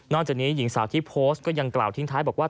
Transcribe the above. จากนี้หญิงสาวที่โพสต์ก็ยังกล่าวทิ้งท้ายบอกว่า